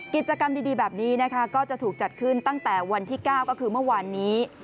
กิจกรรมดีแบบนี้นะคะก็จะถูกจัดขึ้นตั้งแต่วันที่๙ก็คือเมื่อวานนี้